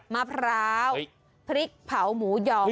มะพร้าวพริกเผาหมูหยอง